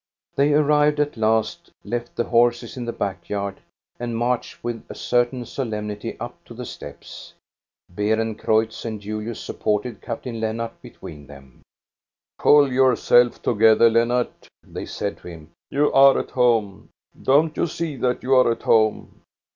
They arrived at last, left the horses in the back yard and marched with a certain solemnity up to the steps. Beerencreutz and Julius supported Captain Lennart between them. "Pull yourself together, Lennart," they said to him, " you are at home. Don't you see that you 're at home?"